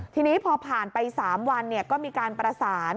ทีนี้พอผ่านไป๓วันก็มีการประสาน